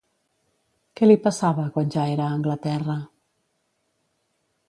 Què li passava quan ja era a Anglaterra?